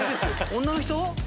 女の人？